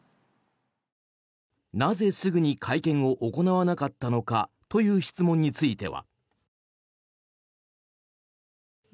なぜすぐに会見を行わなかったのかという質問については。